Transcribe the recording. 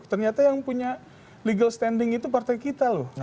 ternyata yang punya legal standing itu partai kita loh